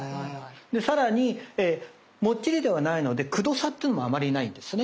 さらにもっちりではないのでくどさっていうのもあまりないんですね。